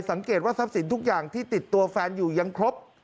สังเกตว่าทรัพย์สินทุกอย่างที่ติดตัวแฟนอยู่ยังครบ